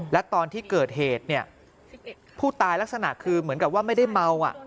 และตอนที่เกิดเหตุเนี่ยผู้ตายลักษณะคือเหมือนกับว่าไม่ได้เมา